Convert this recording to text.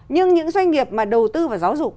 nhưng những doanh nghiệp mà đầu tư vào giáo dục